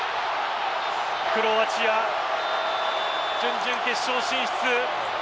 クロアチア準々決勝進出。